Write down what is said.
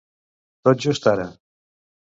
Tot just ara.